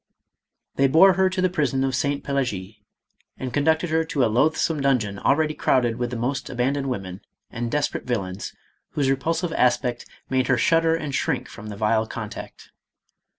They bore her to the prison of St. Pelagic", and con ducted her to a loathsome dungeon already crowded with the most abandoned women, and desperate vil lains, whose repulsive aspect made her shudder and shrink from the vile contact.